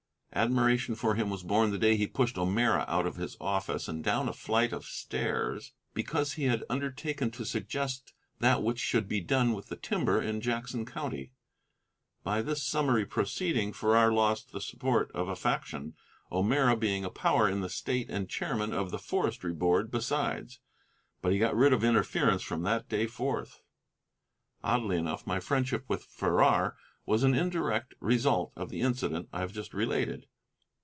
Admiration for him was born the day he pushed O'Meara out of his office and down a flight of stairs because he had undertaken to suggest that which should be done with the timber in Jackson County. By this summary proceeding Farrar lost the support of a faction, O'Meara being a power in the state and chairman of the forestry board besides. But he got rid of interference from that day forth. Oddly enough my friendship with Farrar was an indirect result of the incident I have just related.